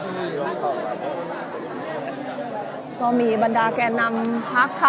และที่อยู่ด้านหลังคุณยิ่งรักนะคะก็คือนางสาวคัตยาสวัสดีผลนะคะ